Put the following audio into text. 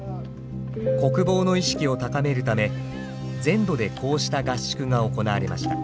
国防の意識を高めるため全土でこうした合宿が行われました。